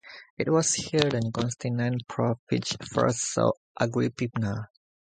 It was here that Constantine Petrovich first saw Agrippina.